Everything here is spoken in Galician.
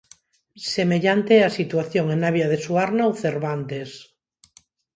Semellante é a situación en Navia de Suarna ou Cervantes.